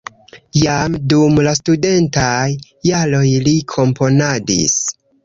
Jam dum la studentaj jaroj li komponadis.